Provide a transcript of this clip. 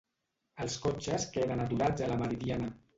Els cotxes queden aturats a la Meridiana.